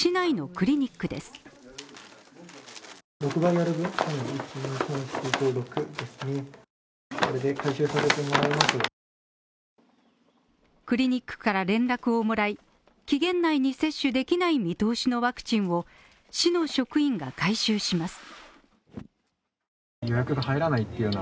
クリニックから連絡をもらい、期限内に接種できない見通しのワクチンを市の職員が回収します。